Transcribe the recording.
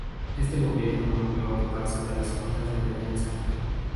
Este gobierno volvió a ocuparse de las Juntas de Defensa.